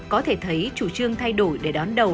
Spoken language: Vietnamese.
có thể thấy chủ trương thay đổi để đón đầu